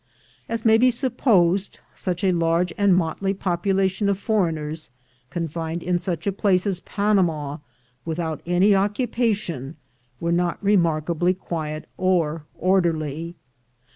As may be supposed, such a large and motley popu lation of foreigners, confined in such a place as Panama, without any occupation, were not remark ably quiet or orderly.